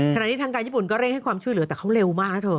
ทางการญี่ปุ่นก็เร่งให้ความช่วยเหลือแต่เขาเร็วมากนะเธอ